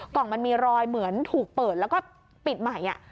กล่องมันมีรอยเหมือนถูกเปิดแล้วก็ปิดใหม่